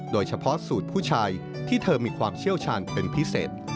โดยเฉพาะสูตรผู้ชายที่เธอมีความเชี่ยวชาญเป็นพิเศษ